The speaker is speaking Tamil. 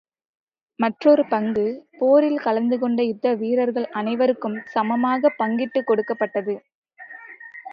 மற்றொரு பங்கு, போரில் கலந்து கொண்ட யுத்த வீரர்கள் அனைவருக்கும் சமமாகப் பங்கிட்டுக் கொடுக்கப் பட்டது.